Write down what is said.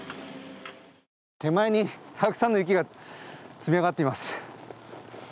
手前にたくさんの雪が積み上がっています。